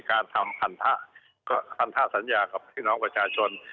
การทำพันธะก็พันธสัญญากับพี่น้องประชาชน